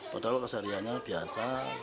padahal keseriannya biasa